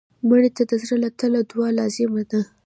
مړه ته د زړه له تله دعا لازم ده